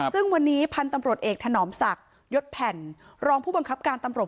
ซึ่งวันนี้พันธุ์ตำรวจเอกถนอมศักดิ์ยศแผ่นรองผู้บังคับการตำรวจ